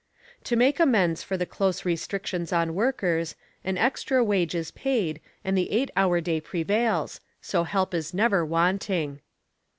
To make amends for the close restrictions on workers, an extra wage is paid and the eight hour day prevails, so help is never wanting.